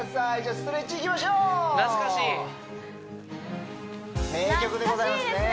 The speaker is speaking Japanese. ストレッチいきましょう懐かしい名曲でございますね懐かしいですね